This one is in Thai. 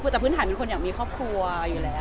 แต่พื้นฐานเป็นคนอยากมีครอบครัวอยู่แล้ว